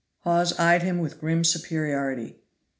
Hawes eyed him with grim superiority.